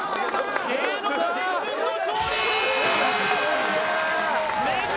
芸能人軍の勝利目黒